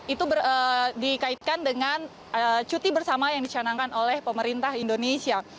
itu dikaitkan dengan cuti bersama yang dicanangkan oleh pemerintah indonesia